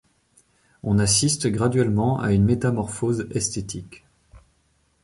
On assiste graduellement à une métamorphose esthétique.